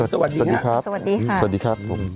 สวัสดีครับสวัสดีครับ